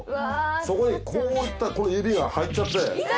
そこにこう行ったこの指が入っちゃって。